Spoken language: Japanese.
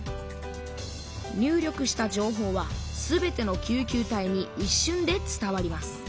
入力した情報は全ての救急隊にいっしゅんで伝わります。